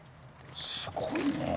すごいね。